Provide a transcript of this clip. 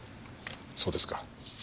そうですか。